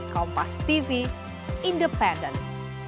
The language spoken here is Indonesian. kompas tv independen dan berkualitas